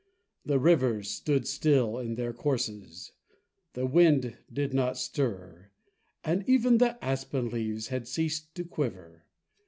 The rivers stood still in their courses, the wind did not stir, and even the aspen leaves had ceased to quiver.